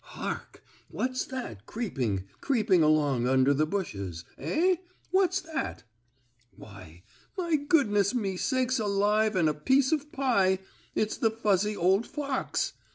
Hark! What's that creeping, creeping along under the bushes? Eh? What's that? Why, my goodness me sakes alive and a piece of pie! It's the fuzzy old fox!